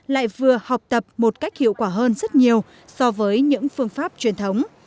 lại vừa học tập một cách hiệu quả hơn rất nhiều so với những phương pháp truyền thống